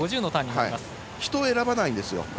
人を選ばないんですよ。